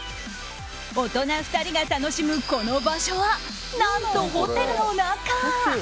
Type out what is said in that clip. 大人２人が楽しむこの場所は何とホテルの中！